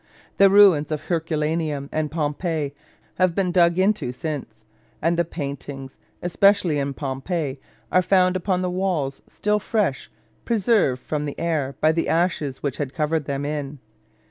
The ruins of Herculaneum and Pompeii have been dug into since; and the paintings, especially in Pompeii, are found upon the walls still fresh, preserved from the air by the ashes which have covered them in.